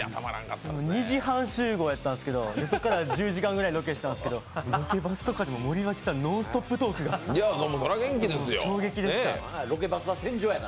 ２時半集合やったんですけどそこから１０時間くらいロケしたんですけど、ロケバスとかでも森脇さんノンストップトークが衝撃でした。